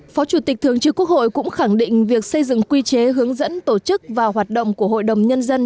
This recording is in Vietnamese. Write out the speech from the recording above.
phó chủ tịch thường trực quốc hội cũng khẳng định việc xây dựng quy chế hướng dẫn tổ chức và hoạt động của hội đồng nhân dân